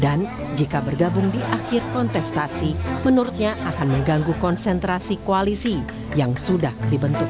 dan jika bergabung di akhir kontestasi menurutnya akan mengganggu konsentrasi koalisi yang sudah dibentuk